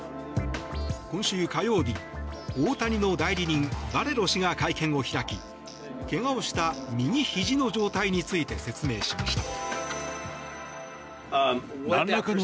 今週火曜日大谷の代理人、バレロ氏が会見を開き怪我をした右ひじの状態について説明しました。